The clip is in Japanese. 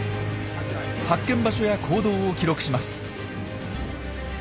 発見場所や行動を記録します。